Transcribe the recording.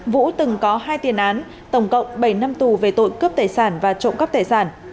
vũ từng có hai tiền án tổng cộng bảy năm tù về tội cướp tài sản và trộm cắp tài sản